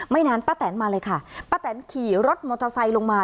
นานป้าแตนมาเลยค่ะป้าแตนขี่รถมอเตอร์ไซค์ลงมา